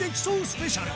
スペシャル